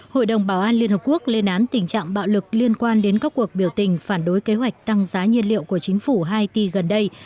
hội đồng bảo an liên hợp quốc lên án tình trạng bạo lực liên quan đến các cuộc biểu tình phản đối kế hoạch tăng giá nhiên liệu của chính phủ haiti gần đây